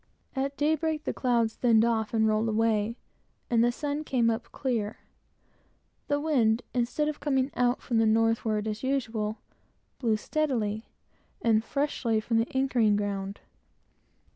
At daybreak, the clouds thinned off and rolled away, and the sun came up clear. The wind, instead of coming out from the northward, as is usual, blew steadily and freshly from the anchoring ground.